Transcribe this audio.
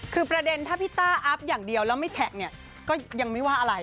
คือประเด็นถ้าพี่ต้าอัพอย่างเดียวแล้วไม่แท็กเนี่ยก็ยังไม่ว่าอะไร